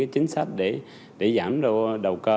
kiến sách để giảm đầu cơ